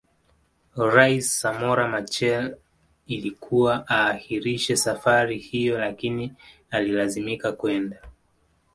Rais Samora Machel Ilikuwa aahirishe safari hiyo lakini alilazimika kwenda